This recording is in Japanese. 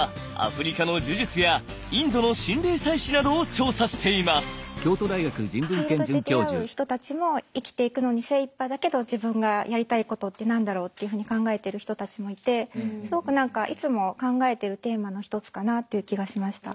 フィールドで出会う人たちも生きていくのに精いっぱいだけど自分がやりたいことって何だろうっていうふうに考えてる人たちもいてすごく何かいつも考えてるテーマの一つかなっていう気がしました。